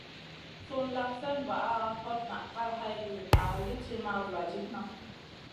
Sùn lak slèna vaʼa, hot naʼ kal hay giwinna lì ti ma vuladidna.